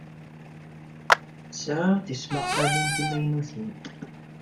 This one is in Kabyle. Sɣiɣ-d tismaqqalin timaynutin.